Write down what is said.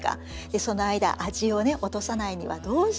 その間味を落とさないにはどうしたらいいか？